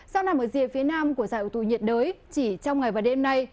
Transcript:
sau nằm ở dìa phía nam của dạy ủ tù nhiệt đới chỉ trong ngày và đêm nay